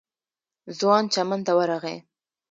ځوان چمن ته ورغی.